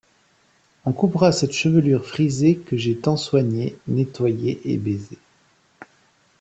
On coupera cette chevelure frisée que j’ai tant soignée, nettoyée et baisée.